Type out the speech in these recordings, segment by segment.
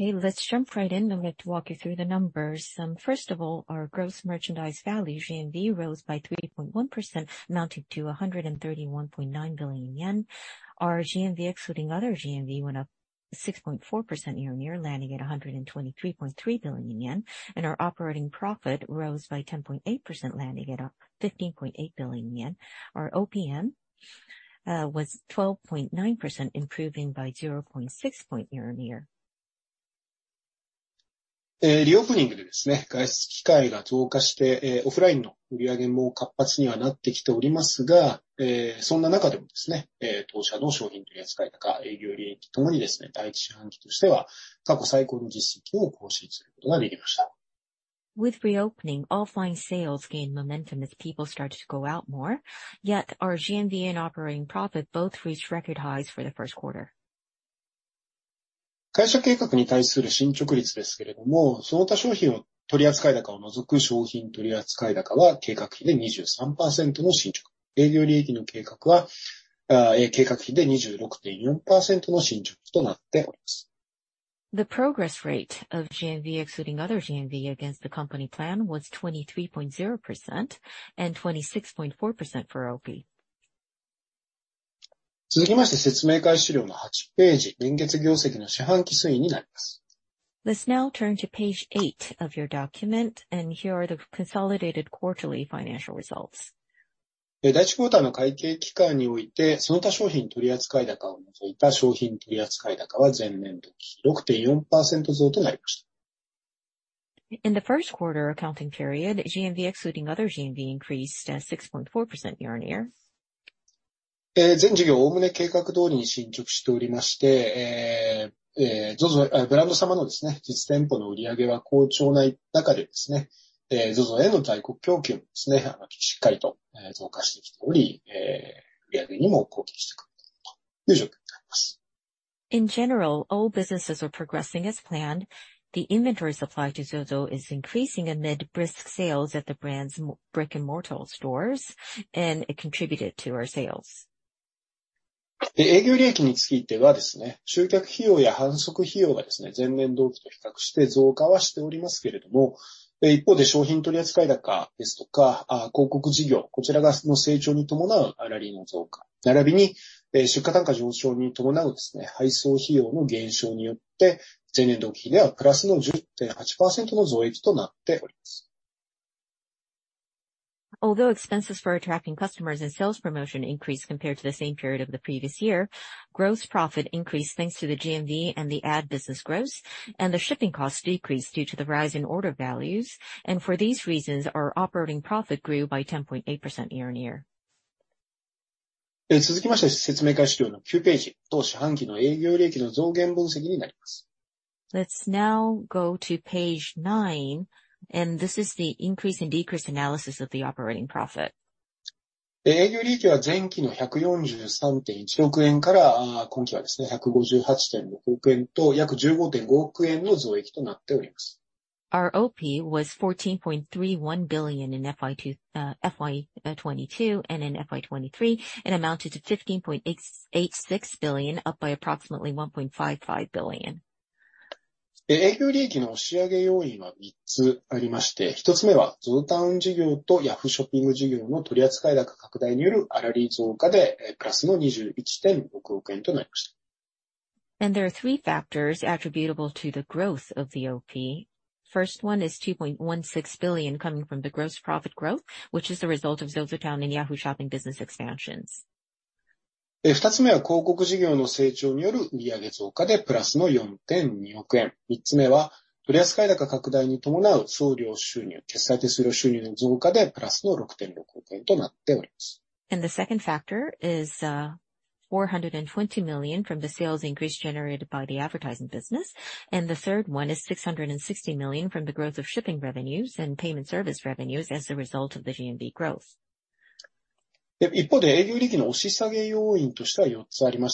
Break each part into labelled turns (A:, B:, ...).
A: Okay, let's jump right in. I'd like to walk you through the numbers. First of all, our gross merchandise value, GMV, rose by 3.1%, amounting to 131.9 billion yen. Our GMV, excluding other GMV, went up 6.4% year-on-year, landing at 123.3 billion yen. Our operating profit rose by 10.8%, landing at 15.8 billion yen. Our OPM was 12.9%, improving by 0.6 point year-on-year.
B: reopening,
A: With reopening, offline sales gained momentum as people started to go out more. Our GMV and operating profit both reached record highs for the first quarter. The progress rate of GMV, excluding other GMV against the company plan, was 23.0% and 26.4% for OP. Let's now turn to page eight of your document, and here are the consolidated quarterly financial results. In the first quarter accounting period, GMV, excluding other GMV, increased at 6.4% year-on-year. In general, all businesses are progressing as planned. The inventory supply to ZOZO is increasing amid brisk sales at the brand's brick-and-mortar stores, and it contributed to our sales. Although expenses for attracting customers and sales promotion increased compared to the same period of the previous year, gross profit increased thanks to the GMV and the ad business growth, and the shipping costs decreased due to the rise in order values, and for these reasons, our operating profit grew by 10.8% year-on-year. Let's now go to page nine, and this is the increase and decrease analysis of the operating profit. Our OP was 14.31 billion in FY22 and in FY23, and amounted to 15.886 billion, up by approximately 1.55 billion. There are three factors attributable to the growth of the OP. First one is 2.16 billion coming from the gross profit growth, which is the result of ZOZOTOWN and Yahoo! Shopping business expansions. The second factor is, 420 million from the sales increase generated by the advertising business. The third one is 660 million from the growth of shipping revenues and payment service revenues as a result of the GMV growth. On the other hand, there were four factors that drove down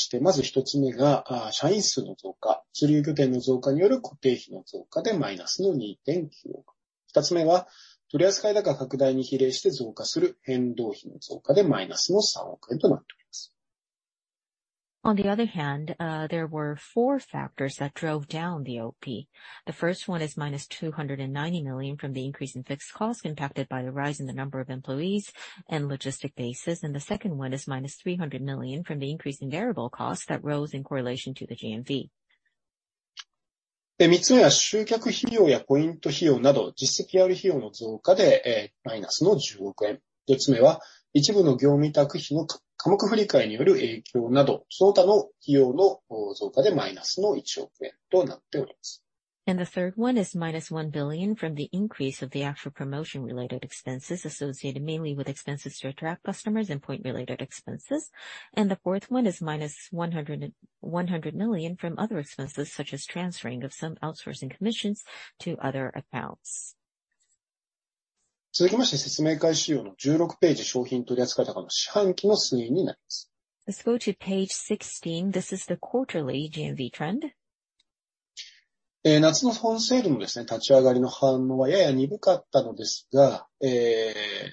A: the OP. The first one is minus 290 million from the increase in fixed costs impacted by the rise in the number of employees and logistic bases. The second one is minus JPY 300 million from the increase in variable costs that rose in correlation to the GMV. The third one is minus 1 billion from the increase of the actual promotion-related expenses associated mainly with expenses to attract customers and point-related expenses. The fourth one is minus 100 million from other expenses, such as transferring of some outsourcing commissions to other accounts. Let's go to page 16. This is the quarterly GMV trend.
B: Eh,...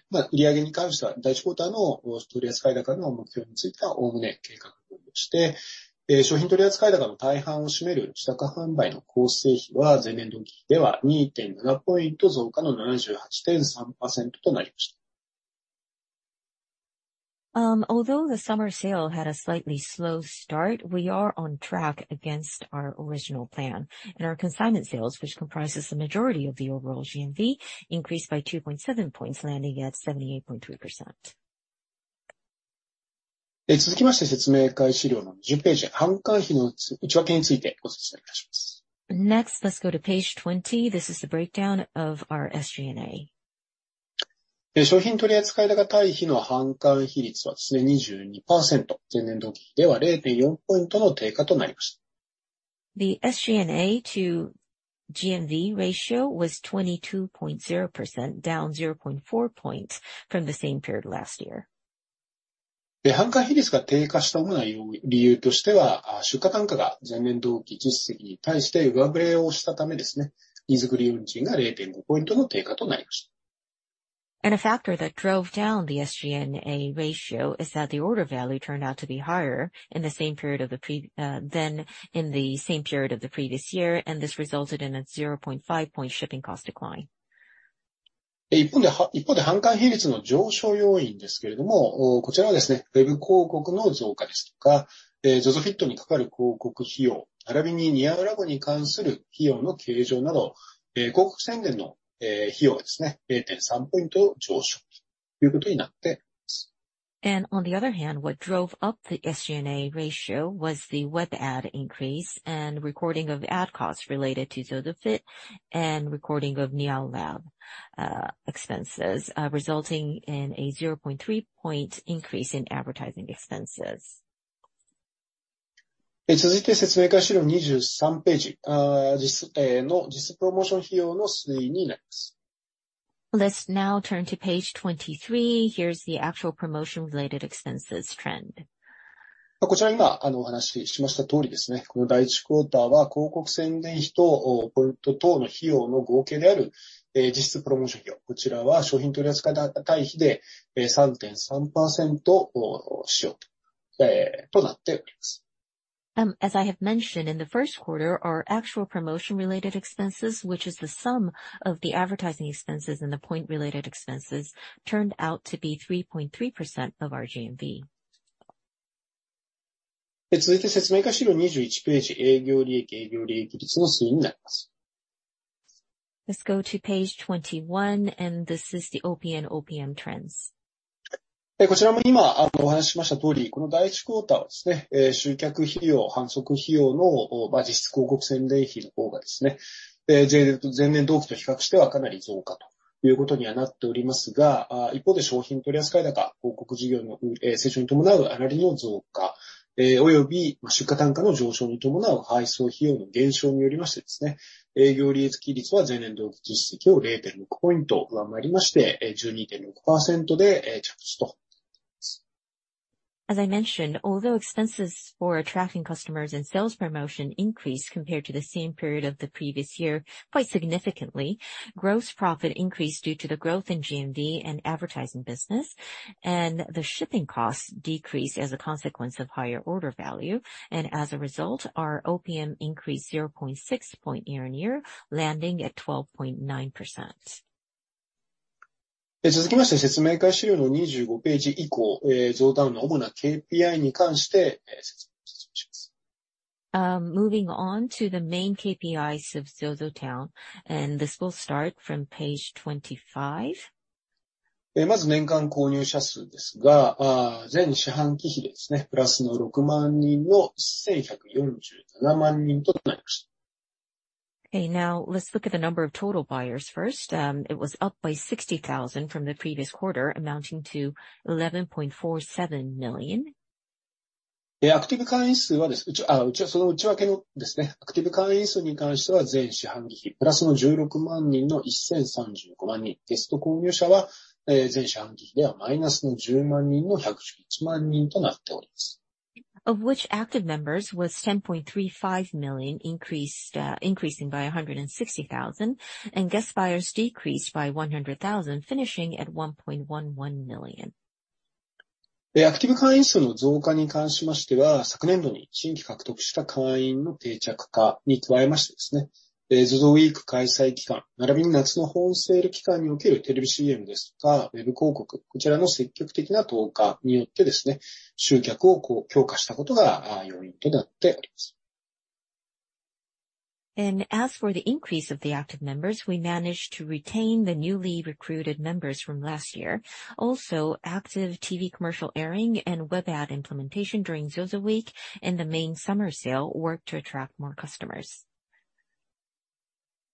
B: まあ、売上に関しては、第一クオーターの取り扱い高の目標については概ね計画通りでして。えー、商品取り扱い高の大半を占める自社販売の構成比は、前年同期比では二点七ポイント増加の七十八点三パーセントとなりました。
A: Although the summer sale had a slightly slow start, we are on track against our original plan, and our consignment sales, which comprises the majority of the overall GMV, increased by 2.7 points, landing at 78.3%.
B: え、続きまして、説明会資料の十ページ、販管費の内訳についてご説明いたします。
A: Next, let's go to page 20. This is the breakdown of our SG&A.
B: え、商品取り扱い高対比の販管費率はですね、二十二パーセント、前年同期比では零点四ポイントの低下となりました。
A: The SG&A to GMV ratio was 22.0%, down 0.4 points from the same period last year.
B: え、販管費率が低下した主なよ-理由としては、あ、出荷単価が前年同期実績に対して上振れをしたためですね、荷造り運賃が零点五ポイントの低下となりました。
A: A factor that drove down the SG&A ratio is that the order value turned out to be higher in the same period than in the same period of the previous year, and this resulted in a 0.5 point shipping cost decline.
B: 一方で、一方で、販管費率の上昇要因ですけれども、こちらは、ウェブ広告の増加ですとか、ZOZOFIT にかかる広告費用、ならびに niaulab に関する費用の計上など、広告宣伝の費用が、0.3 ポイント上昇ということになっています。
A: On the other hand, what drove up the SG&A ratio was the web ad increase and recording of ad costs related to ZOZOFIT and recording of niaulab expenses, resulting in a 0.3 point increase in advertising expenses.
B: え、続いて説明会資料二十三ページ。あー、じす、えーの、実質プロモーション費用の推移になります。
A: Let's now turn to page 23. Here's the actual promotion related expenses trend.
B: ま、こちら今、あの、お話ししました通りですね、この第一クオーターは、広告宣伝費と、おー、ポイント等の費用の合計である、えー、実質プロモーション費用、こちらは商品取り扱い高対比で、えー、三点三パーセント、おー、しようと、えー、となっております。
A: As I have mentioned, in the first quarter, our actual promotion related expenses, which is the sum of the advertising expenses and the point related expenses, turned out to be 3.3% of our GMV.
B: え、続いて説明会資料二十一ページ、営業利益、営業利益率の推移になります。
A: Let's go to page 21. This is the OP and OPM trends.
B: え、こちらも今、あの、お話ししました通り、この第一クオーターはですね、えー、集客費用、販促費用の、おー、ま、実質広告宣伝費の方がですね、え、ぜん、前年同期と比較してはかなり増加ということにはなっておりますが、あー、一方で、商品取り扱い高、広告事業の、えー、成長に伴う粗利の増加、えー、および出荷単価の上昇に伴う配送費用の減少によりましてですね、営業利益率率は前年同期実績を零点六ポイント上回りまして、えー、十二点六パーセントで、えー、着地となっています。
A: As I mentioned, although expenses for attracting customers and sales promotion increased compared to the same period of the previous year quite significantly, gross profit increased due to the growth in GMV and advertising business, and the shipping costs decreased as a consequence of higher order value, and as a result, our OPM increased 0.6 point year-on-year, landing at 12.9%.
B: 続きまして、説明会資料の25ページ以降、ZOZOTOWN の主な KPI に関して、説明いたします。
A: Moving on to the main KPIs of ZOZOTOWN, and this will start from page 25.
B: え、まず年間購入者数ですが、あー、全四半期比でですね、プラスの六万人の千百四十七万人となりました。
A: Okay, now, let's look at the number of total buyers first. It was up by 60,000 from the previous quarter, amounting to 11.47 million.
B: え、アクティブ会員数はですね、うち、あ、うちはその内訳のですね、アクティブ会員数に関しては、全四半期比プラスの十六万人の一千三十五万人。ゲスト購入者は、えー、全四半期比ではマイナスの十万人の百十一万人となっております。
A: Of which, active members was 10.35 million, increased, increasing by 160,000, and guest buyers decreased by 100,000, finishing at 1.11 million.
B: え、アクティブ会員数の増加に関しましては、昨年度に新規獲得した会員の定着化に加えましてですね、えー、ZOZO Week 開催期間、ならびに夏の本セール期間におけるテレビ CM ですとかウェブ広告、こちらの積極的な投下によってですね、集客を、こう、強化したことが、あー、要因となっております。
A: As for the increase of the active members, we managed to retain the newly recruited members from last year. Also, active TV commercial airing and web ad implementation during ZOZOWEEK and the main summer sale worked to attract more customers.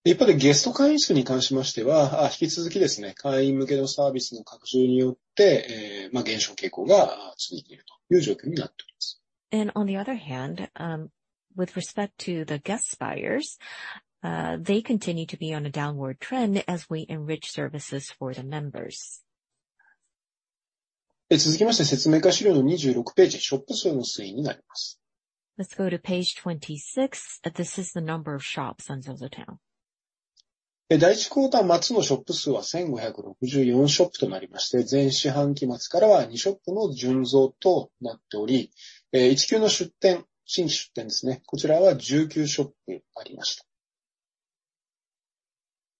B: 一方 で, ゲスト会員数に関しまして は, 引き続きです ね, 会員向けのサービスの拡充によっ て, ま, 減少傾向 が, 続いているという状況になっておりま す.
A: On the other hand, with respect to the guest buyers, they continue to be on a downward trend as we enrich services for the members....
B: え、続きまして、説明会資料の二十六ページ、ショップ数の推移になります。
A: Let's go to page 26. This is the number of shops on ZOZOTOWN.
B: え、第一クオーター末のショップ数は千五百六十四ショップとなりまして、前四半期末からは二ショップの純増となっており、えー、一級の出店、新規出店ですね、こちらは十九シ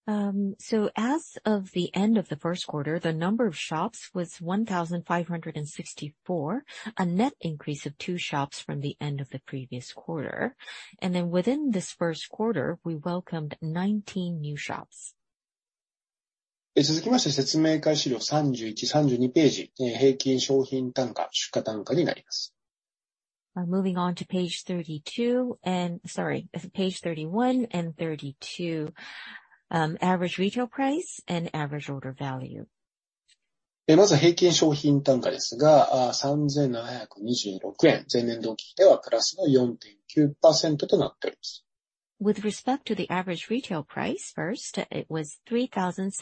B: ョップありました。
A: As of the end of the first quarter, the number of shops was 1,564, a net increase of two shops from the end of the previous quarter. Within this first quarter, we welcomed 19 new shops.
B: え、続きまして、説明会資料三十一、三十二ページ。えー、平均商品単価、出荷単価になります。
A: Moving on to page 32 and, sorry, page 31 and 32. Average retail price and average order value.
B: え、まずは平均商品単価ですが、あー、三千七百二十六円、前年同期比ではプラスの四点九パーセントとなっております。
A: With respect to the average retail price, first, it was 3,726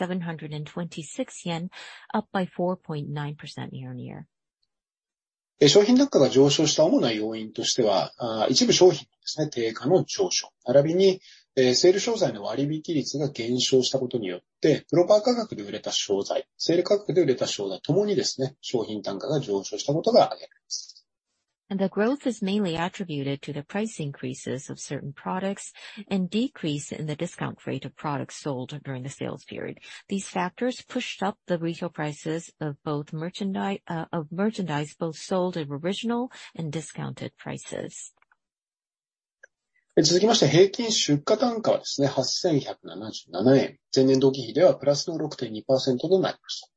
A: yen, up by 4.9% year-on-year.
B: 商品単価が上昇した主な要因としては、一部商品のですね、低下の上昇、ならびに、セール商材の割引率が減少したことによって、プロパー価格で売れた商材、セール価格で売れた商材ともにですね、商品単価が上昇したことが挙げられます。
A: The growth is mainly attributed to the price increases of certain products and decrease in the discount rate of products sold during the sales period. These factors pushed up the retail prices of both of merchandise, both sold at original and discounted prices.
B: え、続きまして、平均出荷単価はですね、八千百七十七円、前年同期比ではプラスの六点二パーセントとなりました。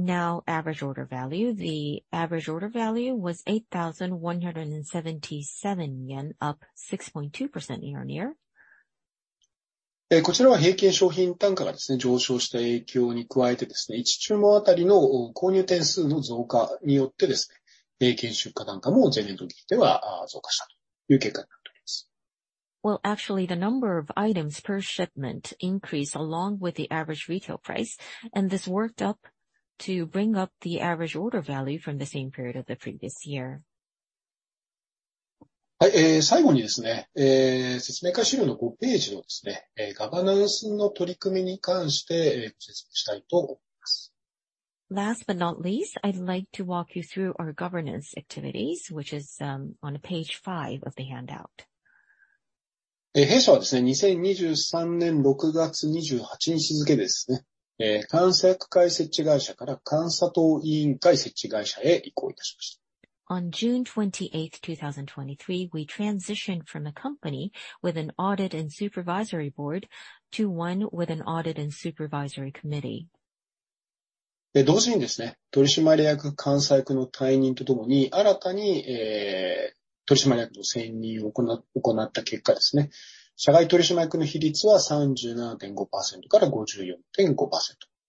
A: Now, average order value. The average order value was 8,177 yen, up 6.2% year-on-year.
B: こちらは平均商品単価が上昇した影響に加えて、一注文当たりの購入点数の増加によって、平均出荷単価も前年同期比では増加したという結果になっております。
A: Well, actually, the number of items per shipment increased along with the average retail price. This worked up to bring up the average order value from the same period of the previous year.
B: はい、えー、最後にですね、えー、説明会資料の五ページのですね、えー、ガバナンスの取り組みに関して、えー、ご説明したいと思います。
A: Last but not least, I'd like to walk you through our governance activities, which is on page five of the handout.
B: え、弊社はですね、二千二十三年六月二十八日付でですね、えー、監査役会設置会社から監査等委員会設置会社へ移行いたしました。
A: On June 28th, 2023, we transitioned from a company with an audit and supervisory board to one with an audit and supervisory committee.
B: 同時に、取締役監査役の退任とともに、新たに、取締役の選任を行った結果、社外取締役の比率は 37.5% から 54.5%、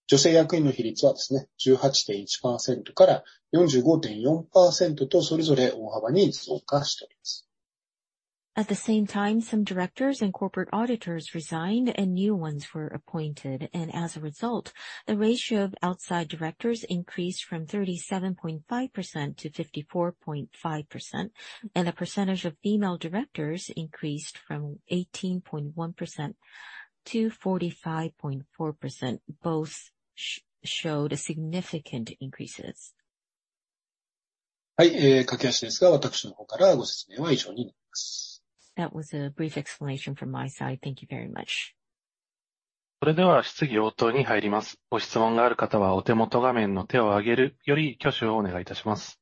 B: 女性役員の比率は 18.1% から 45.4% と、それぞれ大幅に増加しております。
A: At the same time, some directors and corporate auditors resigned, and new ones were appointed. As a result, the ratio of outside directors increased from 37.5% to 54.5%, and the percentage of female directors increased from 18.1% to 45.4%. Both showed significant increases.
B: はい、えー、柿谷ですが、私の方からご説明は以上になります。
A: That was a brief explanation from my side. Thank you very much.
B: それでは、質疑応答に入ります。ご質問がある方は、お手元画面の手を上げるより挙手をお願いいたします。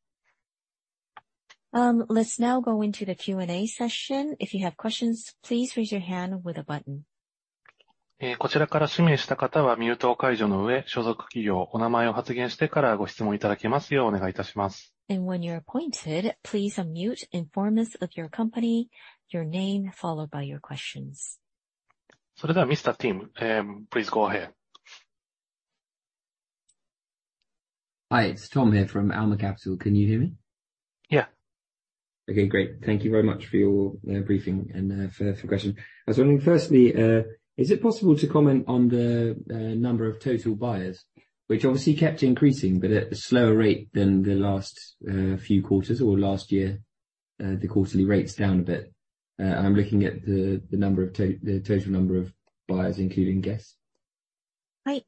A: Let's now go into the Q&A session. If you have questions, please raise your hand with a button.
B: え、こちらから指名した方は、ミュートを解除の上、所属企業、お名前を発言してからご質問いただけますようお願いいたします。
A: When you're appointed, please unmute, inform us of your company, your name, followed by your questions. それでは、Mr. Tom, please go ahead.
C: Hi, it's Tom here from Alma Capital. Can you hear me? Yeah. Okay, great. Thank you very much for your briefing and for progression. I was wondering, firstly, is it possible to comment on the number of total buyers, which obviously kept increasing, but at a slower rate than the last few quarters or last year? The quarterly rate's down a bit. I'm looking at the total number of buyers, including guests.
B: はい、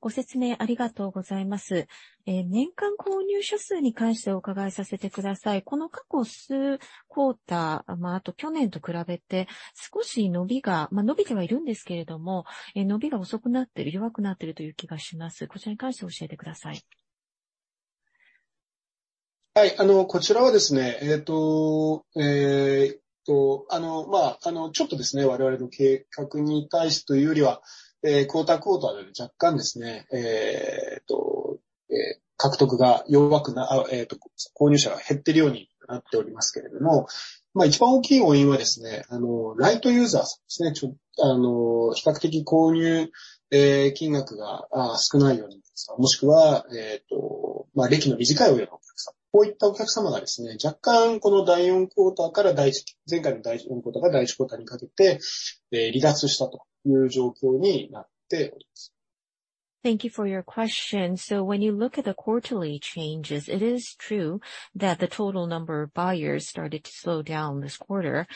B: ご説明ありがとうございます。年間購入者数に関してお伺いさせてください。この過去数クオーター、ま、あと去年と比べて少し伸び が... ま、伸びてはいるんですけれども、え、伸びが遅くなっている、弱くなっているという気がします。こちらに関して教えてください。はい。あの、こちらはですね、えーと、えーと、あの、まあ、あの、ちょっとですね、我々の計画に対してというよりは、えー、クオーター、クオーターで若干ですね、えーと、え、獲得が弱くな、えーと、購入者が減っているようになっておりますけれども。ま、一番大きい要因はですね、あの、ライトユーザーさんですね、ちょ、あの、比較的購入、えー、金額が、あー、少ないようなお客様、もしくは、えーと、ま、歴の短いお客様、こういったお客様がですね、若干、この第四クオーターから第し、前回の第四クオーターから第一クオーターにかけて、えー、離脱したという状況になっております。
A: Thank you for your question. When you look at the quarterly changes, it is true that the total number of buyers started to slow down this quarter.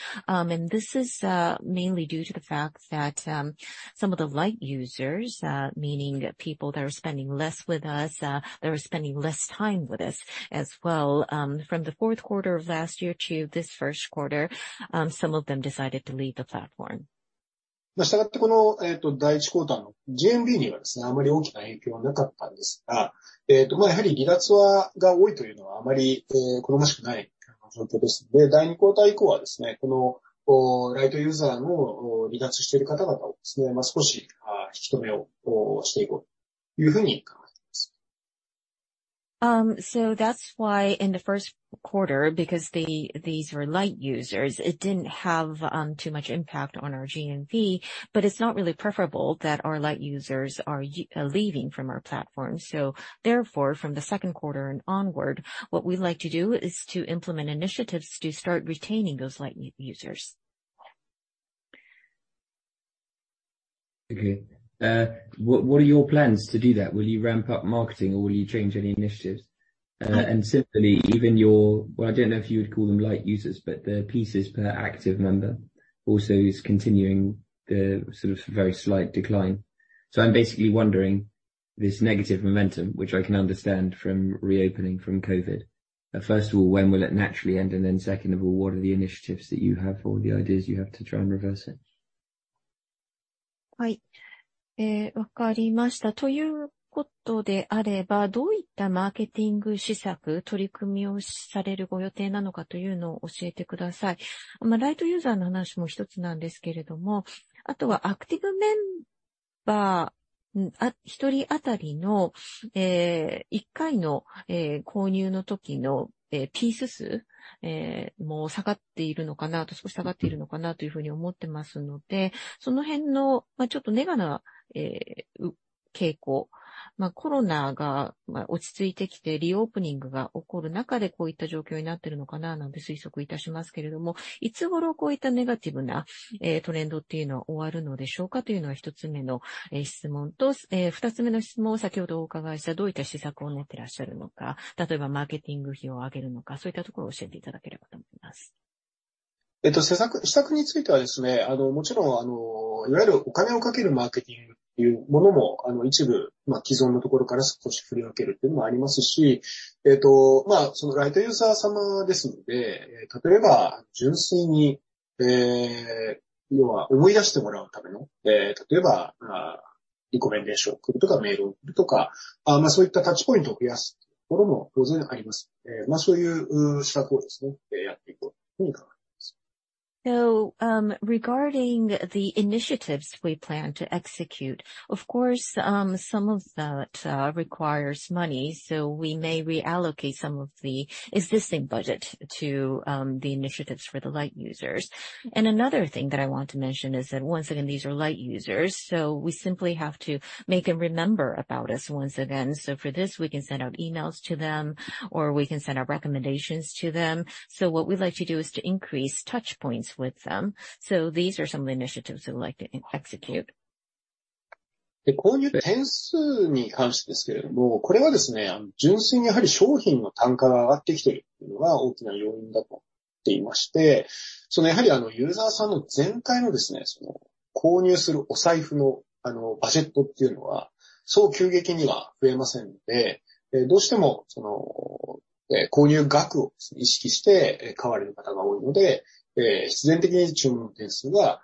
A: This is mainly due to the fact that some of the light users, meaning people that are spending less with us, they are spending less time with us as well. From the fourth quarter of last year to this first quarter, some of them decided to leave the platform.
C: Follow up.
A: That's why in the first quarter, because the, these were light users, it didn't have too much impact on our GMV, but it's not really preferable that our light users are leaving from our platform. Therefore, from the second quarter and onward, what we'd like to do is to implement initiatives to start retaining those light users.
C: Okay. What, what are your plans to do that? Will you ramp up marketing or will you change any initiatives? Simply even your... Well, I don't know if you would call them light users, but the pieces per active member also is continuing the sort of very slight decline. I'm basically wondering, this negative momentum, which I can understand from reopening from COVID. First of all, when will it naturally end? Second of all, what are the initiatives that you have or the ideas you have to try and reverse it?
D: Right.
A: Regarding the initiatives we plan to execute, of course, some of that requires money, so we may reallocate some of the existing budget to the initiatives for the light users. Another thing that I want to mention is that once again, these are light users, so we simply have to make them remember about us once again. For this, we can send out emails to them or we can send out recommendations to them. What we'd like to do is to increase touch points with them. These are some of the initiatives we'd like to execute.
B: Follow up.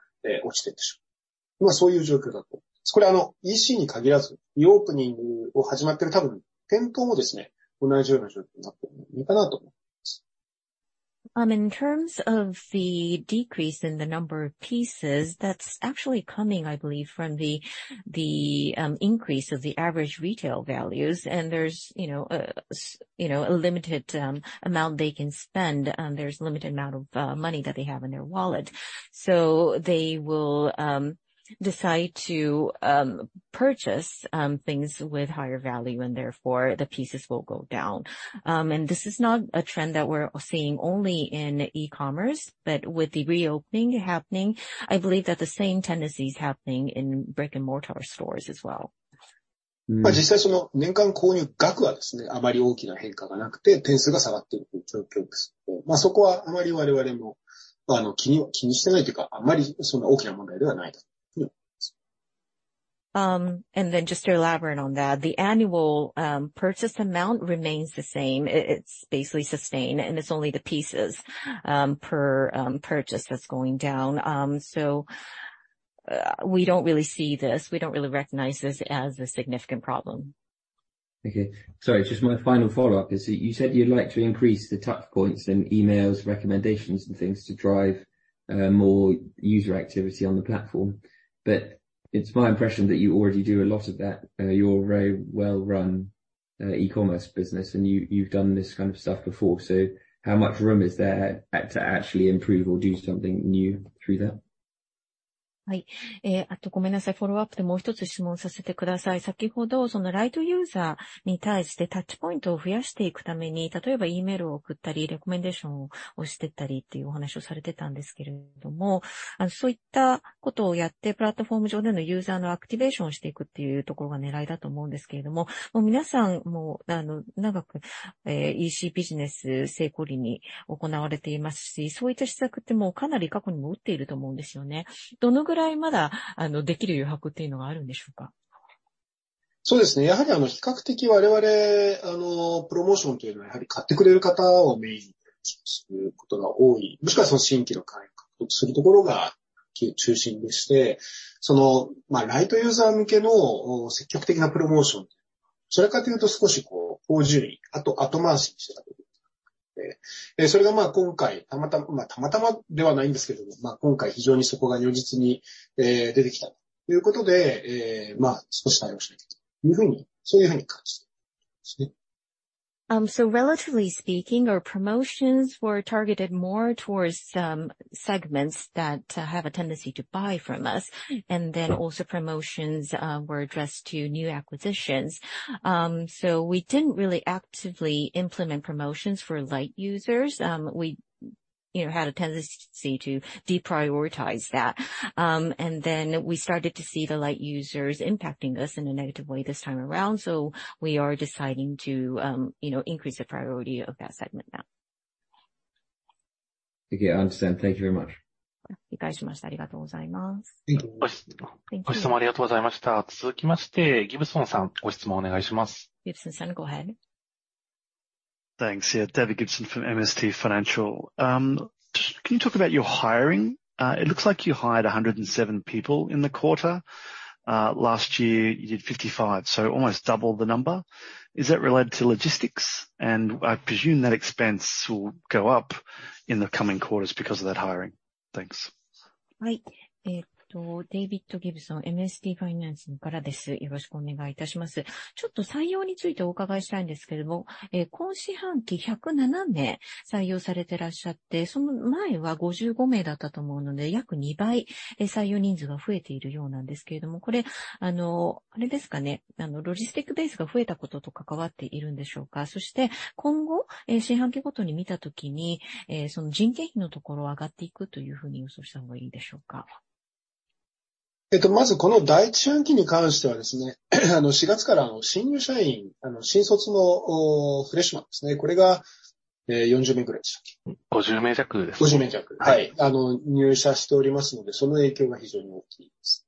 A: In terms of the decrease in the number of pieces, that's actually coming, I believe, from the increase of the average retail values. There's, you know, you know, a limited amount they can spend. There's a limited amount of money that they have in their wallet. They will decide to purchase things with higher value, and therefore, the pieces will go down. This is not a trend that we're seeing only in e-commerce, but with the reopening happening, I believe that the same tendency is happening in brick-and-mortar stores as well.
D: Follow up.
A: Then just to elaborate on that, the annual purchase amount remains the same. It, it's basically sustained, and it's only the pieces per purchase that's going down. We don't really see this, we don't really recognize this as a significant problem.
C: Okay. Sorry, just my final follow-up is that you said you'd like to increase the touch points and emails, recommendations and things to drive, more user activity on the platform. It's my impression that you already do a lot of that. You're a very well-run, e-commerce business, and you, you've done this kind of stuff before. How much room is there to actually improve or do something new through that? ...
B: はい。えー、あとごめんなさい。フォローアップでもう一つ質問させてください。先ほど、そのライトユーザーに対してタッチポイントを増やしていくために、例えば E メールを送ったり、レコメンデーションをしていったりというお話をされてたんですけれども、そういったことをやって、プラットフォーム上でのユーザーのアクティベーションをしていくっていうところが狙いだと思うんですけれども、皆さんもう長く EC ビジネス成功例に行われていますし、そういった施策ってもうかなり過去にも打っていると思うんですよね。どのぐらいまだできる余白っていうのがあるんでしょう か？ そうですね、やはり比較的我々、あのプロモーションというのは、やはり買ってくれる方をメインにすることが多い。もしくは新規の獲得するところが中心でして、そのライトユーザー向けの積極的なプロモーションというのは、それかというと少し後順位、あと後回しにしてた部分で。それがまあ今回たまたま、たまたまではないんですけども、今回非常にそこが如実に出てきたということで、まあ少し対応しないといけないというふうに、そういうふうに感じてですね。
A: Relatively speaking, our promotions were targeted more towards segments that have a tendency to buy from us. Also promotions were addressed to new acquisitions. We didn't really actively implement promotions for light users. We, you know, had a tendency to deprioritize that. We started to see the light users impacting us in a negative way this time around. We are deciding to, you know, increase the priority of that segment now.
D: Okay, I understand. Thank you very much.
A: 理解しました。ありがとうございます。
D: ご質問ありがとうございました。続きまして、ギブソンさん、ご質問お願いします。
A: Gibson さん, Go ahead.
E: Thanks. Yeah. David Gibson from MST Financial. Can you talk about your hiring? It looks like you hired 107 people in the quarter. Last year you did 55, so almost double the number. Is that related to logistics? I presume that expense will go up in the coming quarters because of that hiring. Thanks.
A: はい。えっと、デビッドギブソン、MST ファイナンスからです。よろしくお願い致します。ちょっと採用についてお伺いしたいんですけれども、えー、今四半期百七名採用されてらっしゃって、その前は五十五名だったと思うので、約二倍採用人数が増えているようなんですけれども、これあの、あれですかね、ロジスティックベースが増えたことと関わっているんでしょうか。そして今後、四半期ごとに見たときに、その人件費のところは上がっていくというふうに予想した方がいいでしょうか。
B: まず、この Q1 に関しては、April から新入社員、新卒のフレッシュマン、これが40ぐらいでしたっ け？
D: 五十名弱ですね。
B: 五十名弱。はい、入社しておりますので、その影響が非常に大きいです。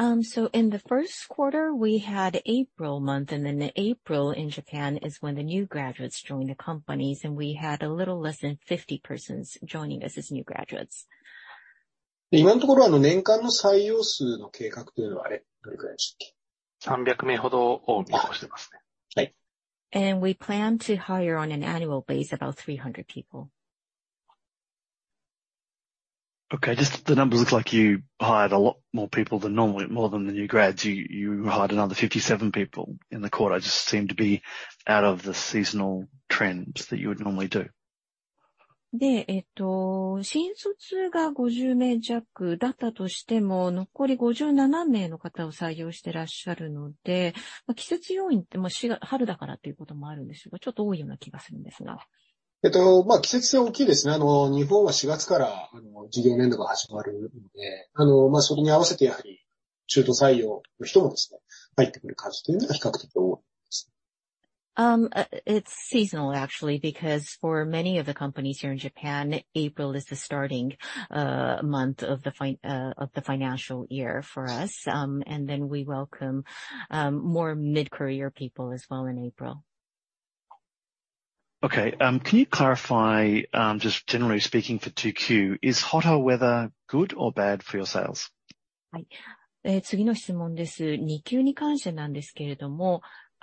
A: In the first quarter, we had April month, and then April in Japan is when the new graduates joined the companies, and we had a little less than 50 persons joining us as new graduates.
B: 今のところ、年間の採用数の計画というのはどれくらいでしたっ け？
D: 300名ほどを見込んでいます ね. は い.
A: We plan to hire on an annual basis about 300 people.
E: Okay, just the numbers. Look like you hired a lot more people than normally. More than the new grads. You hired another 57 people in the quarter. Just seemed to be out of the seasonal trends that you would normally do.
A: で、えっと、新卒が五十名弱だったとしても、残り五十七名の方を採用してらっしゃるので、季節要因って春だからということもあるんですが、ちょっと多いような気がするんですが。
B: えっと、まあ季節性大きいですね。日本は四月から事業年度が始まるので、あの、そこに合わせて、やはり中途採用の人もですね、入ってくる数というのが比較的多いです。
A: It's seasonal actually, because for many of the companies here in Japan, April is the starting month of the financial year for us. Then we welcome more mid-career people as well in April.
E: Okay, can you clarify? Just generally speaking, for 2Q, is hotter weather good or bad for your sales?
A: はい。えー、次の質問です。二級に関してなんですけれども、暑いことって皆さんのセールスにとってはいいことなんです か？ 悪いことなんです か？
B: えっと、そうですね。やはりまあ、暑さ寒さに限らず、その日本の場合は季節の、その季節どおりの気候になってくれるというのが非常に大事ですので。もちろん七月、八月は普通通常通り暑くなってくれることというのは、我々にとってはプラス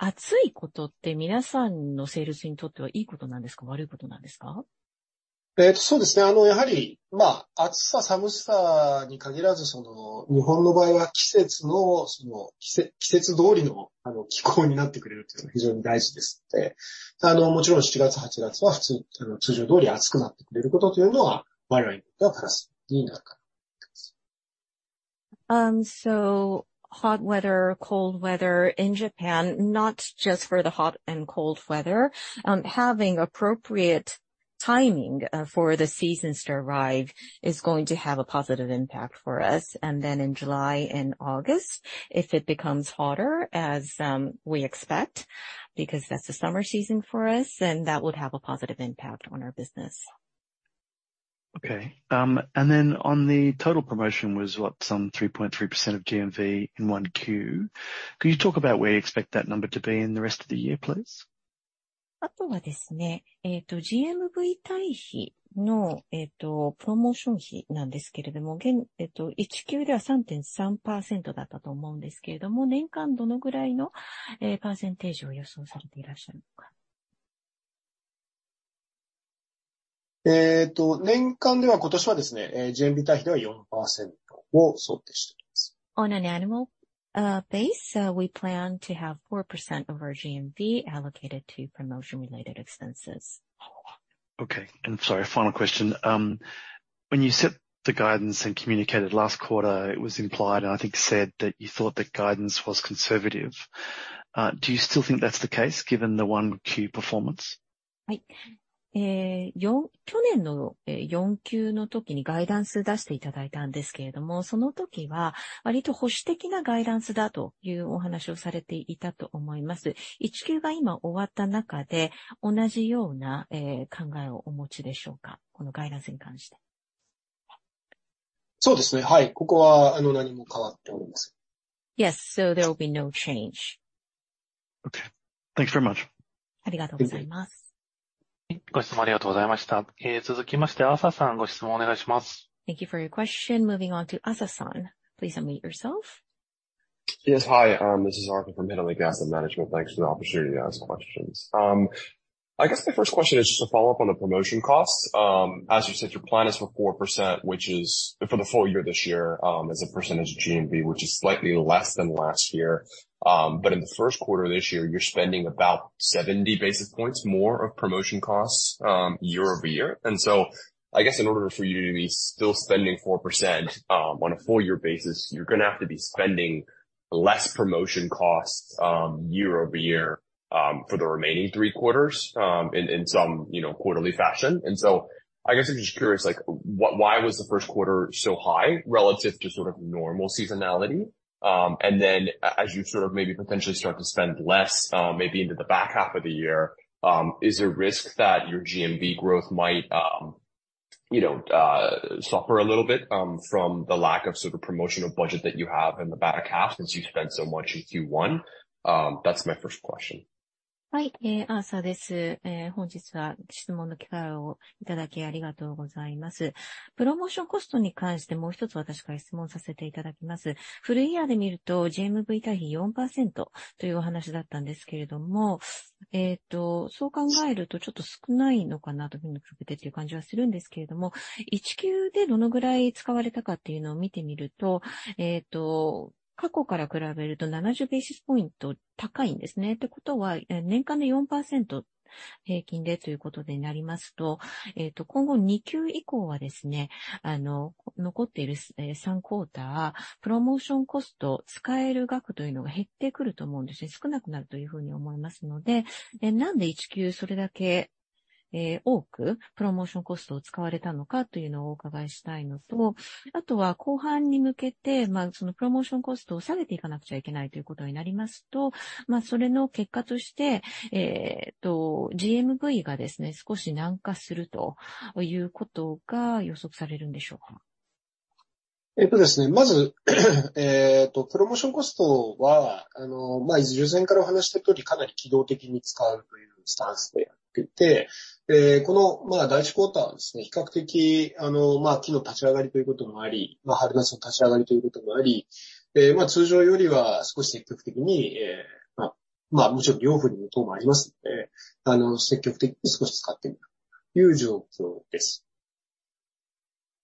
B: になるかなと思います。
A: Hot weather, cold weather in Japan, not just for the hot and cold weather. Having appropriate timing for the seasons to arrive is going to have a positive impact for us. In July and August, if it becomes hotter as we expect, because that's the summer season for us, that would have a positive impact on our business.
E: Okay. Then on the total promotion was what, some 3.3% of GMV in 1Q? Could you talk about where you expect that number to be in the rest of the year, please?
A: GMV 対比のプロモーション費なんですけれども、Q1 では 3.3% だったと思うんですけれども、年間どのぐらいのパーセンテージを予想されていらっしゃるの か?
B: えーと、年間では今年はですね、GMV 対比では四パーセントを想定しております。
A: On an annual base, we plan to have 4% of our GMV allocated to promotion related expenses.
E: Okay, sorry, final question. When you set the guidance and communicated last quarter, it was implied, and I think said, that you thought the guidance was conservative. Do you still think that's the case, given the 1 Q performance?
A: Yes. There will be no change.
E: Okay. Thanks very much.
A: Thank you. Thank you for your question. Moving on to Aza-san. Please unmute yourself.
F: Yes. Hi, this is Aza from Middle Lake Asset Management. Thanks for the opportunity to ask questions. I guess my first question is just a follow-up on the promotion costs. As you said, your plan is for 4%, which is for the full year this year, as a percentage of GMV, which is slightly less than last year. But in the first quarter of this year, you're spending about 70 basis points more of promotion costs, year-over-year. I guess in order for you to be still spending 4%, on a full year basis, you're gonna have to be spending less promotion costs, year-over-year, for the remaining three quarters, in some, you know, quarterly fashion. I guess I'm just curious, like, why was the first quarter so high relative to sort of normal seasonality? As you sort of maybe potentially start to spend less, maybe into the back half of the year, is there risk that your GMV growth might, you know, suffer a little bit from the lack of sort of promotional budget that you have in the back half since you spent so much in Q1? That's my first question.
A: Yes.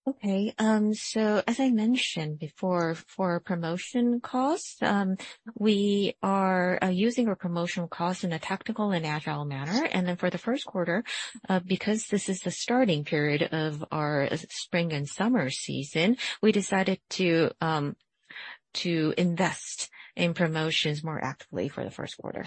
A: Okay, as I mentioned before, for promotion costs, we are using our promotional costs in a tactical and agile manner. For the first quarter, because this is the starting period of our spring and summer season, we decided to invest in promotions more actively for the first quarter.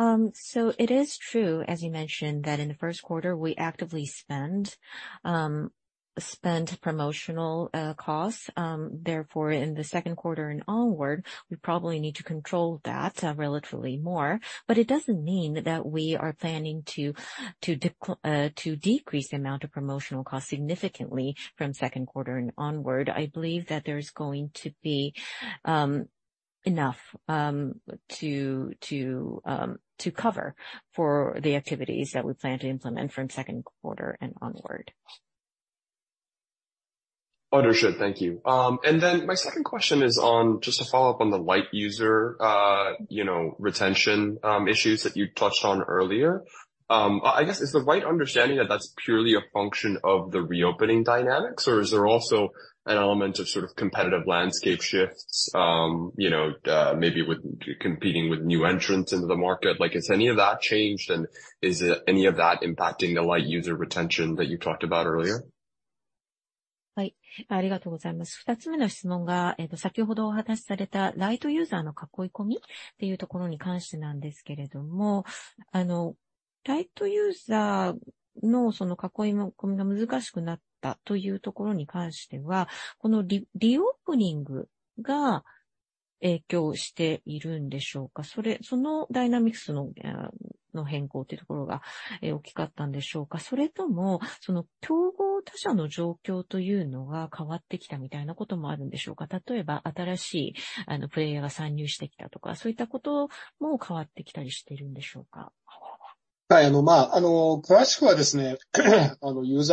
A: It is true, as you mentioned, that in the first quarter we actively spend, spent promotional costs. Therefore, in the second quarter and onward, we probably need to control that relatively more. It doesn't mean that we are planning to, to decl- to decrease the amount of promotional costs significantly from second quarter and onward. I believe that there's going to be enough to, to cover for the activities that we plan to implement from second quarter and onward.
F: Understood. Thank you. My second question is on, just to follow up on the light user, you know, retention, issues that you touched on earlier. I guess, is the right understanding that that's purely a function of the reopening dynamics, or is there also an element of sort of competitive landscape shifts, you know, maybe with competing with new entrants into the market? Like, has any of that changed, and is any of that impacting the light user retention that you talked about earlier?
A: Yes....
B: はです ね, ユーザー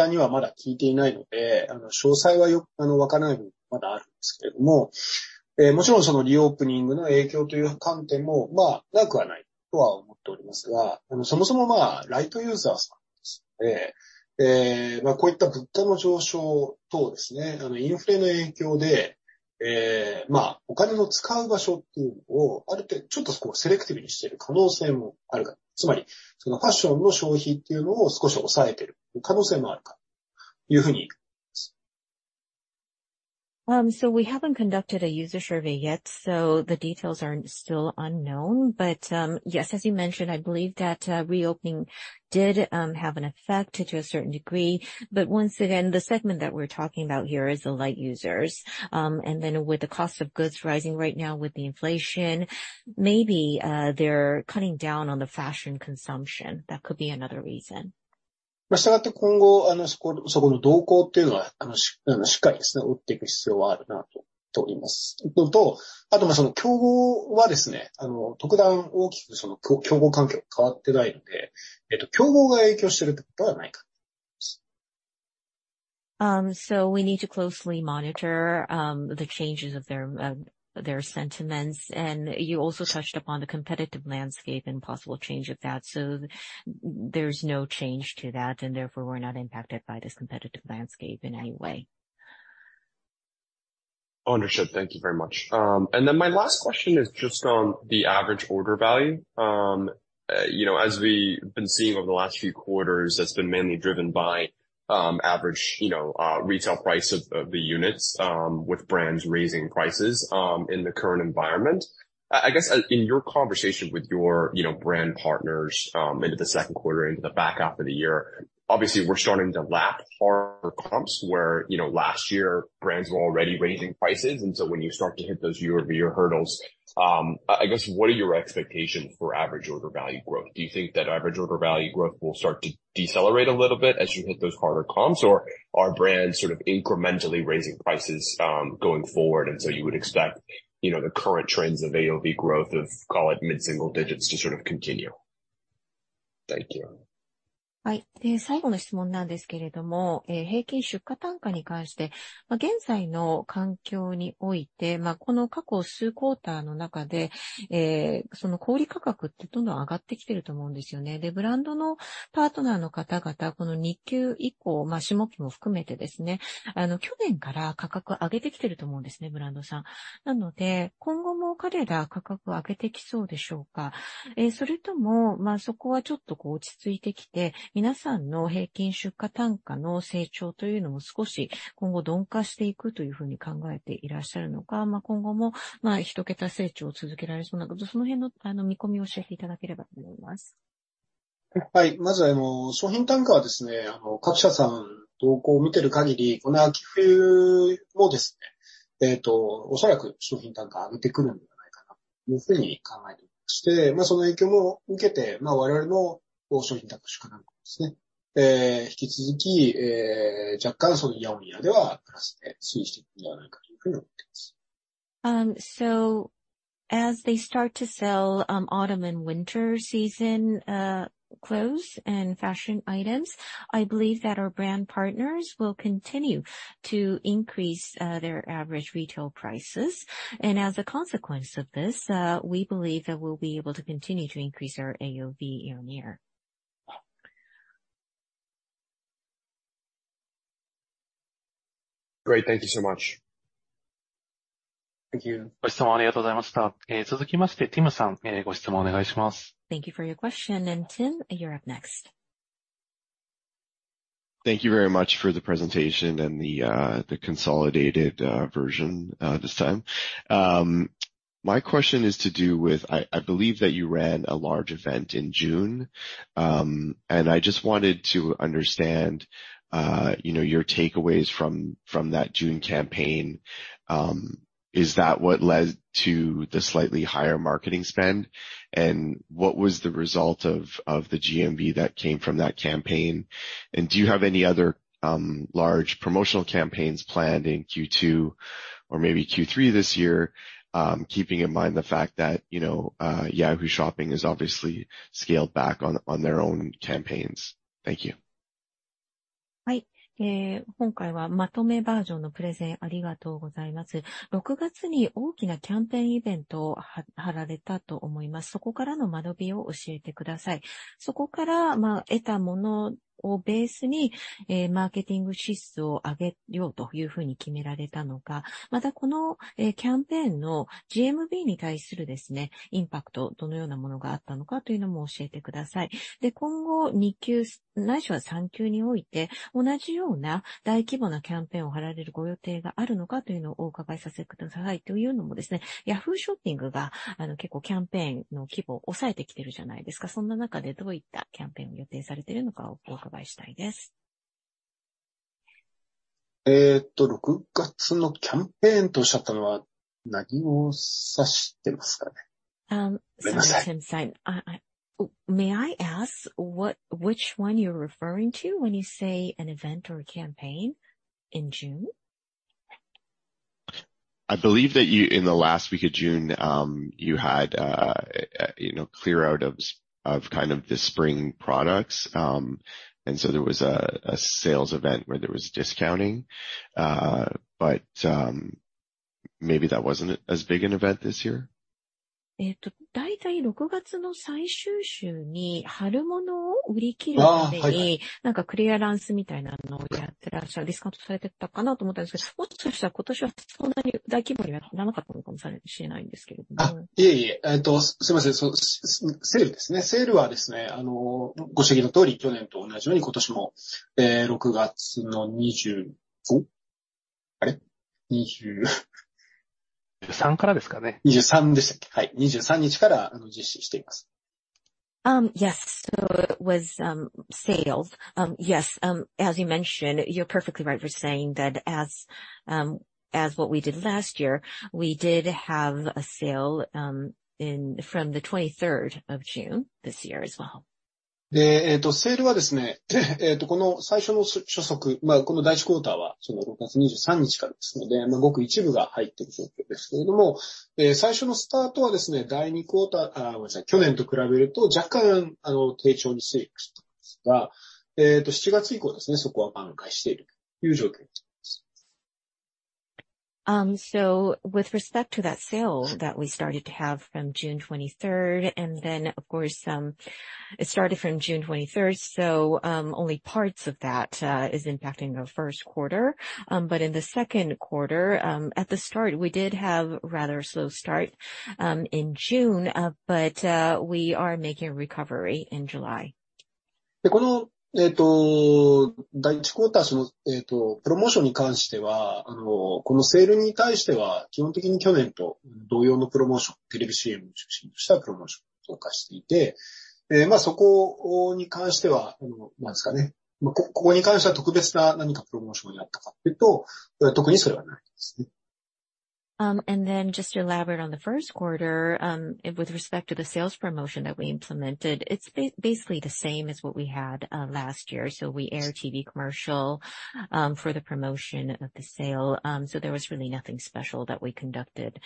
B: にはまだ聞いていないの で, 詳細はよくわからない部分もまだあるんですけれど も. もちろ ん, そのリオープニングの影響という観点もなくはないとは思っております が, そもそもライトユーザーさんですの で, こういった物価の上昇等です ね, インフレの影響 で, お金の使う場所っていうのをある程度ちょっとセレクティブにしている可能性もあるか と. つま り, ファッションの消費っていうのを少し抑えている可能性もあるかというふう に.
A: We haven't conducted a user survey yet, so the details are still unknown. Yes, as you mentioned, I believe that reopening did have an effect to a certain degree. Once again, the segment that we're talking about here is the light users. Then with the cost of goods rising right now, with the inflation, maybe, they're cutting down on the fashion consumption. That could be another reason.
B: 従って、今後、そこの動向というのはしっかりですね、追っていく必要はあるなとと思います。こと、あと、その競合はですね、特段大きく競合環境が変わってないので、競合が影響していることはないか。
A: We need to closely monitor the changes of their, their sentiments. You also touched upon the competitive landscape and possible change of that. There's no change to that, and therefore we're not impacted by this competitive landscape in any way.
F: Understood. Thank you very much. Then my last question is just on the average order value. You know, as we've been seeing over the last few quarters, that's been mainly driven by average, you know, retail price of the units, with brands raising prices in the current environment. I guess in your conversation with your, you know, brand partners, into the second quarter, into the back half of the year, obviously, we're starting to lap harder comps where, you know, last year brands were already raising prices. When you start to hit those year-over-year hurdles, I guess what are your expectations for average order value growth? Do you think that average order value growth will start to decelerate a little bit as you hit those harder comps, or are brands sort of incrementally raising prices, going forward? You would expect, you know, the current trends of AOV growth of call it mid-single digits to sort of continue. Thank you.
A: はい。最後の質問なんですけれども、平均出荷単価に関して、現在の環境において、この過去数クオーターの中で、えー、その小売価格ってどんどん上がってきていると思うんですよね。で、ブランドのパートナーの方々、この二期以降、下期も含めてですね、去年から価格を上げてきていると思うんですね、ブランドさん。なので、今後も彼ら価格を上げてきそうでしょうか。それとも、そこはちょっと落ち着いてきて、皆さんの平均出荷単価の成長というのも少し今後鈍化していくというふうに考えていらっしゃるのか、今後も一桁成長を続けられそうなのか、その辺の見込みを教えていただければと思います。
B: はい。まずあの商品単価はですね、各社さん動向を見ている限り、この秋冬もですね、おそらく商品単価を上げてくるのではないかなというふうに考えております。で、その影響も受けて、我々も商品単価、出荷単価ですね。引き続き、若干その year on year ではプラスで推移していくのではないかというふうに思っています。
A: As they start to sell, autumn and winter season, clothes and fashion items, I believe that our brand partners will continue to increase their average retail prices. As a consequence of this, we believe that we'll be able to continue to increase our AOV year-on-year.
F: Great. Thank you so much.
B: Thank you.
A: ご質問ありがとうございました。続きまして、ティムさん、ご質問お願いします。Thank you for your question. Tim, you're up next.
C: Thank you very much for the presentation and the consolidated version this time. My question is to do with I believe that you ran a large event in June. I just wanted to understand, you know, your takeaways from, from that June campaign. Is that what led to the slightly higher marketing spend? What was the result of, of the GMV that came from that campaign? Do you have any other large promotional campaigns planned in Q2 or maybe Q3 this year? Keeping in mind the fact that, you know, Yahoo! Shopping is obviously scaled back on, on their own campaigns. Thank you.
A: はい。えー、今回はまとめバージョンのプレゼンありがとうございます。六月に大きなキャンペーンイベントを張られたと思います。そこからの間取りを教えてください。そこから得たものをベースに、えー、マーケティング支出を上げようというふうに決められたのか。また、このキャンペーンの GMV に対するですね、インパクト、どのようなものがあったのかというのも教えてください。今後、二期ないしは三期において、同じような大規模なキャンペーンを張られるご予定があるのかというのをお伺いさせてください。というのもですね、ヤフーショッピングが結構キャンペーンの規模を抑えてきているじゃないですか。そんな中でどういったキャンペーンを予定されているのかをお伺いしたいです。
B: えーと、六月のキャンペーンとおっしゃったのは何を指してますか ね？
A: may I ask what which one you're referring to when you say an event or a campaign in June?...
C: I believe that you, in the last week of June, you had, you know, clear out of, of kind of the spring products. So there was a, a sales event where there was discounting, but, maybe that wasn't as big an event this year?
A: Yes. It was sales. Yes, as you mentioned, you're perfectly right for saying that as what we did last year, we did have a sale in from the 23rd of June this year as well. With respect to that sale that we started to have from June 23rd, and then of course, it started from June 23rd. Only parts of that is impacting our first quarter. In the second quarter, at the start, we did have rather slow start in June. We are making a recovery in July. Just to elaborate on the first quarter, with respect to the sales promotion that we implemented, it's basically the same as what we had last year. We air TV commercial, for the promotion of the sale. There was really nothing special that we conducted,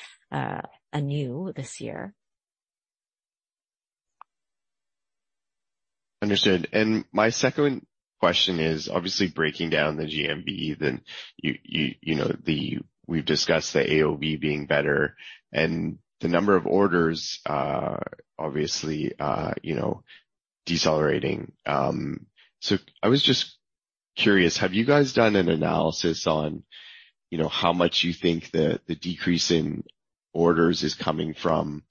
A: anew this year.
C: Understood. My second question is obviously breaking down the GMV, then We've discussed the AOV being better and the number of orders, obviously, you know, decelerating. So I was just curious, have you guys done an analysis on, you know, how much you think the, the decrease in orders is coming from,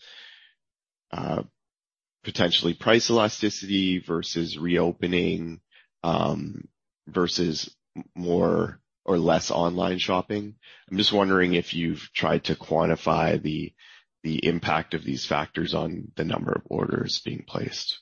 C: potentially price elasticity versus reopening, versus more or less online shopping? I'm just wondering if you've tried to quantify the, the impact of these factors on the number of orders being placed.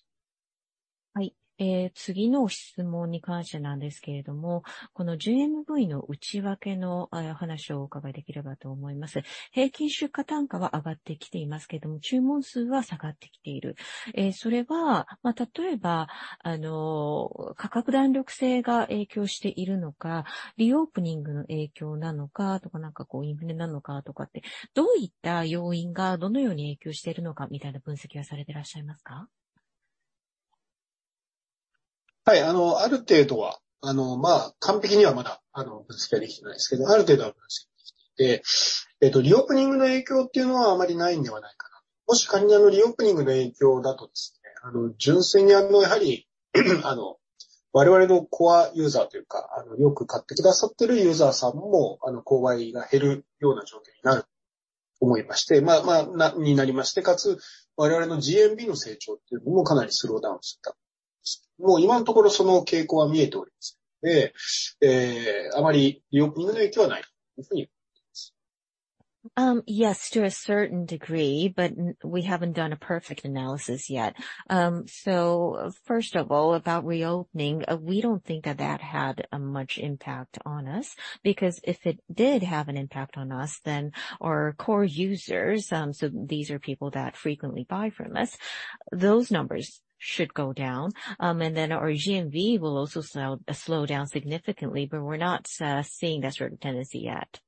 A: Yes, to a certain degree, but we haven't done a perfect analysis yet. First of all, about reopening, we don't think that that had a much impact on us, because if it did have an impact on us, then our core users, these are people that frequently buy from us. Those numbers should go down, and then our GMV will also sell, slow down significantly, but we're not seeing that certain tendency yet.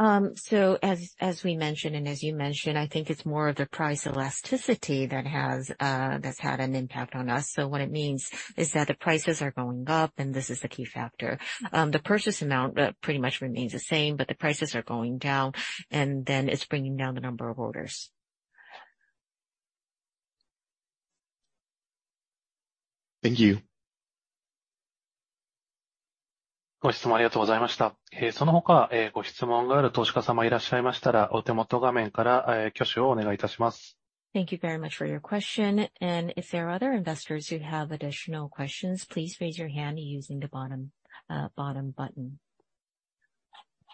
A: As, as we mentioned and as you mentioned, I think it's more of the price elasticity that has, that's had an impact on us. What it means is that the prices are going up and this is the key factor. The purchase amount, pretty much remains the same, but the prices are going down and then it's bringing down the number of orders.
C: Thank you.
A: Thank you very much for your question. If there are other investors who have additional questions, please raise your hand using the bottom, bottom button....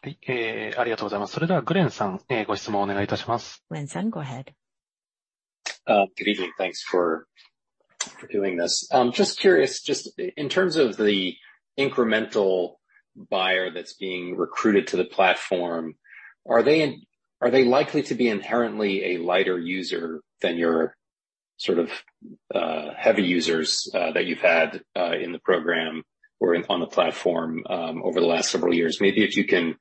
B: はい。えー、ありがとうございます。それではグレンさん、ご質問をお願いいたします。
D: Good evening. Thanks for, for doing this. Just curious, just in terms of the incremental buyer that's being recruited to the platform, are they, are they likely to be inherently a lighter user than your sort of, heavy users, that you've had, in the program or on the platform, over the last several years? Maybe if you can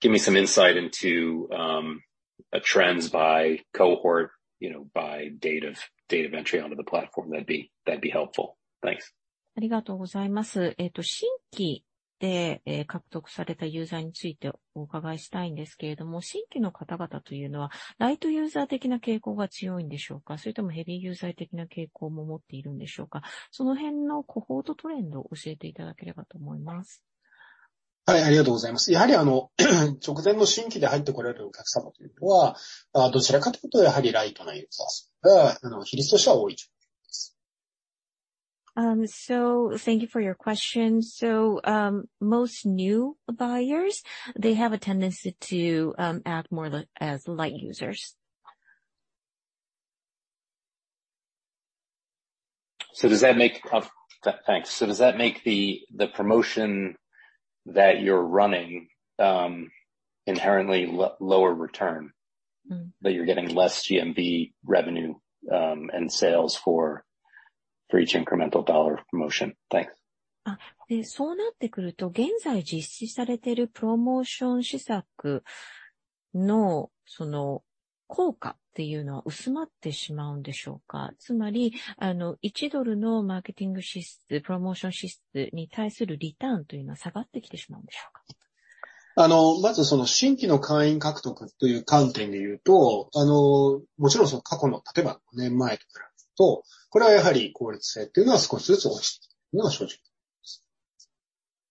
D: give me some insight into, a trends by cohort, you know, by date of, date of entry onto the platform, that'd be, that'd be helpful. Thanks.
A: ありがとうございます。新規で獲得されたユーザーについてお伺いしたいんですけれども、新規の方々というのはライトユーザー的な傾向が強いんでしょうか、それともヘビーユーザー的な傾向も持っているんでしょうか。その辺のコホートトレンドを教えていただければと思います。
B: はい、ありがとうございます。やはり、直前の新規で入ってこられるお客様というのは、どちらかというと、やはりライトなユーザーさんが比率としては多い状況です。
A: Thank you for your question. Most new buyers, they have a tendency to act more as light users.
D: Does that make... Thanks. Does that make the, the promotion that you're running inherently lower return, that you're getting less GMV revenue and sales for, for each incremental dollar promotion? Thanks.
A: あ、そうなってくると、現在実施されているプロモーション施策の、その効果っていうのは薄まってしまうんでしょうか。つまり、あの、一ドルのマーケティング支出、プロモーション支出に対するリターンというのは下がってきてしまうんでしょうか。
B: あの、まず、その新規の会員獲得という観点でいうと、あの、もちろん過去の、例えば五年前とかと、これはやはり効率性というのは少しずつ落ちているのは正直です。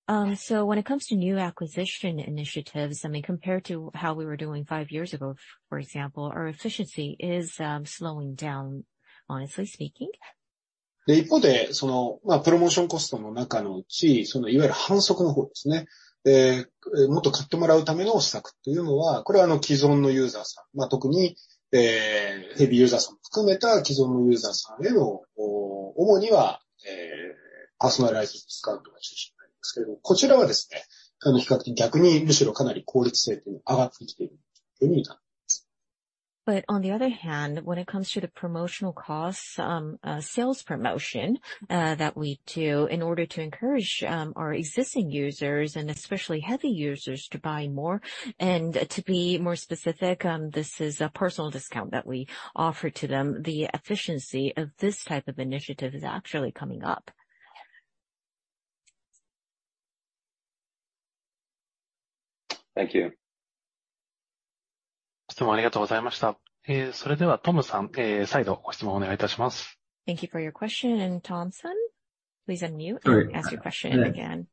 A: When it comes to new acquisition initiatives, I mean, compared to how we were doing five years ago, for example, our efficiency is slowing down. Honestly speaking.
B: 一方で、その、まあ、プロモーションコストの中のうち、そのいわゆる販促の方ですね。で、もっと買ってもらうための施策というのは、これは既存のユーザーさん、特に、えー、ヘビーユーザーさんを含めた既存のユーザーさんへの、主には、えー、パーソナライズディスカウントが中心になりますけど、こちらはですね、比較的逆にむしろかなり効率性というのは上がってきているというふうに考えています。
A: On the other hand, when it comes to the promotional costs, sales promotion that we do in order to encourage our existing users and especially heavy users to buy more. To be more specific, this is a personal discount that we offer to them. The efficiency of this type of initiative is actually coming up.
D: Thank you. 質問ありがとうございました。それでは Tom-san、再度ご質問をお願いいたします。
A: Thank you for your question. Tom-san, please unmute and ask your question again.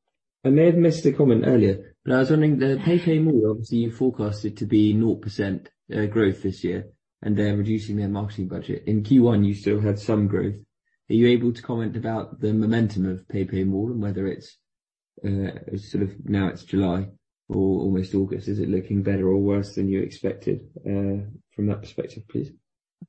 G: I may have missed a comment earlier, but I was wondering the PayPay Mall, obviously, you forecast it to be 0% growth this year, and they're reducing their marketing budget. In Q1 you still had some growth. Are you able to comment about the momentum of PayPay Mall and whether it's, sort of now it's July or almost August? Is it looking better or worse than you expected? From that perspective, please.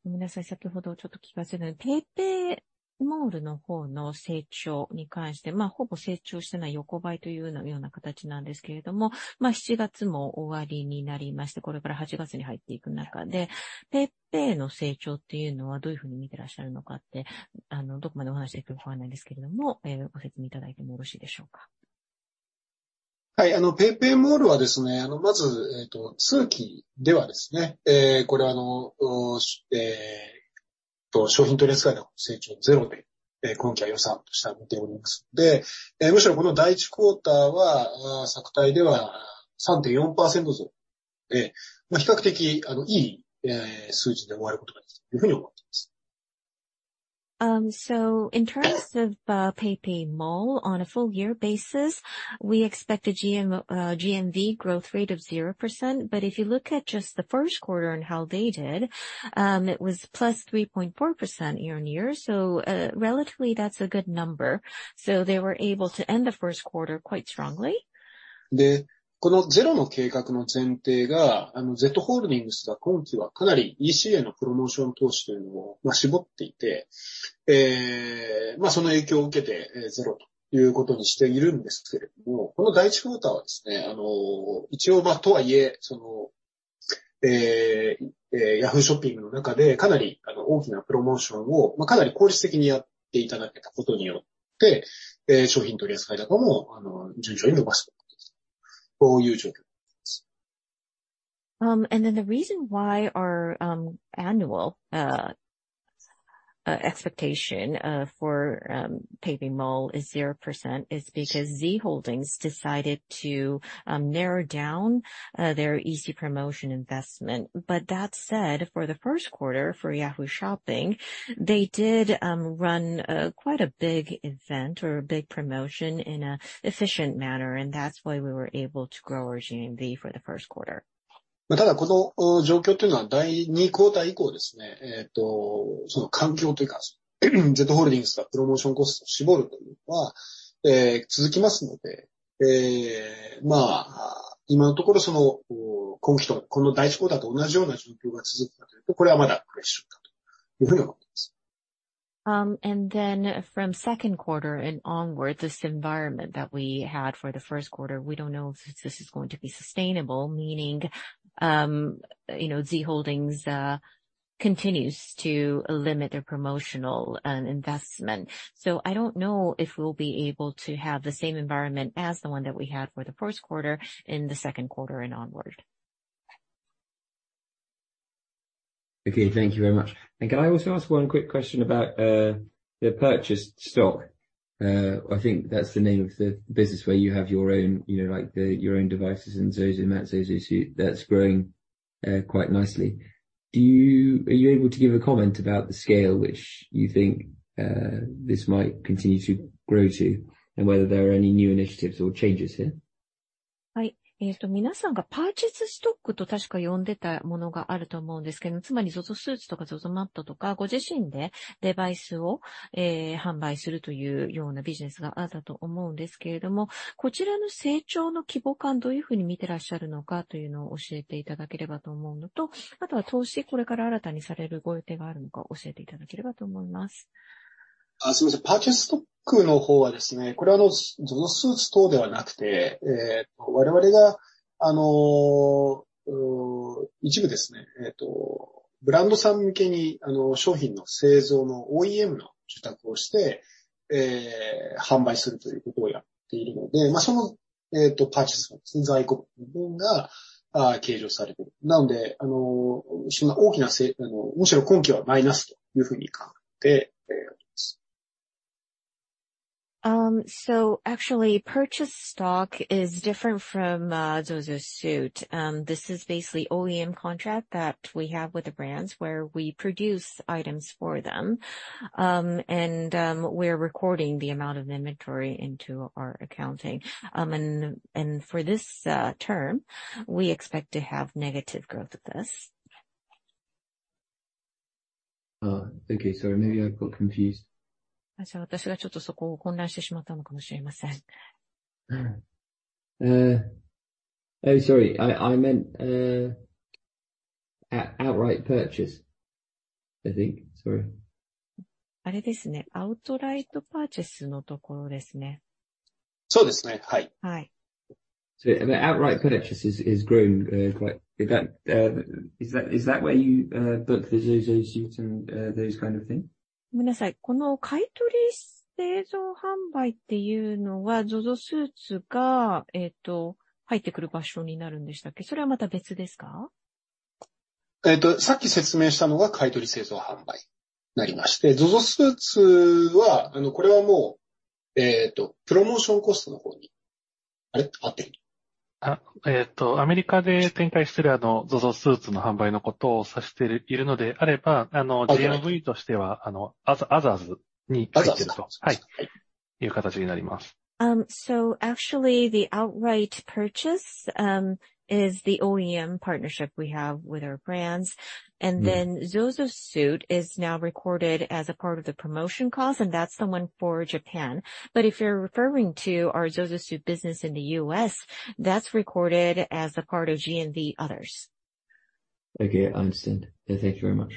A: 皆さん、先ほどちょっと聞かせないので、PayPay モールの方の成長に関して、まあほぼ成長してない横ばいというような形なんですけれども、まあ七月も終わりになりまして、これから八月に入っていく中で、PayPay の成長っていうのはどういうふうに見てらっしゃるのかって。あの、どこまでお話できるかわからないですけれども、えー、ご説明いただいてもよろしいでしょうか。
B: はい。あの PayPay モールはですね、まず、えーと、通期ではですね、えー、これあの、えー、商品取り扱い高成長ゼロで今期は予算として立てておりますので、むしろこの第一クオーターは昨対では三点四パーセント増で、比較的いい数字で終わることができたというふうに思っています。
A: In terms of PayPay Mall, on a full year basis, we expect a GMV growth rate of 0%. If you look at just the first quarter and how they did, it was +3.4% year-over-year. Relatively that's a good number. They were able to end the first quarter quite strongly.
B: で、このゼロの計画の前提が、Z ホールディングスが今期はかなり EC へのプロモーション投資というのを絞っていて、えー、その影響を受けてゼロということにしているんですけれども。この第一クオーターはですね、あの、一応とはいえ、その、えー、ヤフーショッピングの中でかなり大きなプロモーションをかなり効率的にやっていただけたことによって、商品取り扱い高も順調に伸ばしている。こういう状況です。
A: The reason why our annual expectation for PayPay Mall is 0%, is because Z Holdings decided to narrow down their EC promotion investment. That said, for the first quarter for Yahoo! Shopping, they did run quite a big event or a big promotion in an efficient manner, and that's why we were able to grow our GMV for the 1st quarter....
B: ただ、この状況というのは second quarter 以降ですね。その環境というか、Z Holdings はプロモーションコストを絞るというのは続きますので、まあ今のところ、その今期とこの first quarter と同じような状況が続くかというと、これはまだ不確実だというふうに思っています。
A: From second quarter and onward, this environment that we had for the first quarter, we don't know if this is going to be sustainable, meaning, you know, Z Holdings continues to limit their promotional and investment. I don't know if we'll be able to have the same environment as the one that we had for the first quarter, in the second quarter and onward.
G: Okay. Thank you very much. Can I also ask one quick question about the purchased stock? I think that's the name of the business where you have your own, you know, like your own devices and ZOZOSUIT that's growing, quite nicely. Are you able to give a comment about the scale which you think this might continue to grow to, and whether there are any new initiatives or changes here?
A: はい。えーと、皆さんがパーチェスストックと確か呼んでたものがあると思うんですけど、つまりゾゾスーツとかゾゾマットとか、ご自身でデバイスをえー、販売するというようなビジネスがあったと思うんですけれども、こちらの成長の規模感、どういうふうに見てらっしゃるのかというのを教えていただければと思うのと、あとは投資、これから新たにされるご予定があるのかを教えていただければと思います。
B: あ、すみません。パーチェスストックの方はですね、これはゾゾスーツ等ではなくて、えーと、我々が、あの、一部ですね。えーと、ブランドさん向けに、あの、商品の製造の OEM の受託をして、えー、販売するということをやっているので、そのパーチェス在庫部分が計上されている。なので、あの、そんな大きな、むしろ今期はマイナスというふうに考えております。
A: Actually Outright Purchase is different from ZOZOSUIT. This is basically OEM contract that we have with the brands where we produce items for them. We're recording the amount of inventory into our accounting. For this term, we expect to have negative growth with this.
G: Okay. Sorry. Maybe I got confused.
A: 私がちょっとそこを混乱してしまったのかもしれません。
G: Oh, sorry, I, I meant outright purchase, I think. Sorry.
A: あれですね、アウトライトパーチェスのところですね。
B: そうですね。はい。
A: はい。
G: The outright purchase is, is growing, quite that, is that, is that where you, book the ZOZOSUIT and, those kind of things?
A: ごめんなさい。この買取製造販売っていうのは、ゾゾスーツがえーと、入ってくる場所になるんでしたっ け？ それはまた別です か？
B: さっき説明したのが買取製造販売になりまして。ZOZOSUIT は、これはもう、プロモーションコストの方に。あれ、合って る？
A: US で展開してる ZOZOSUIT の販売のことを指しているのであれば、GMV としてはアザーズに入るという形になります。Actually the Outright Purchase is the OEM partnership we have with our brands. ZOZOSUIT is now recorded as a part of the promotion cost, and that's the one for Japan. If you're referring to our ZOZOSUIT business in the U.S., that's recorded as a part of GMV others.
G: Okay, I understand. Thank you very much.